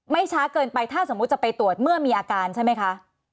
ช้าเกินไปถ้าสมมุติจะไปตรวจเมื่อมีอาการใช่ไหมคะ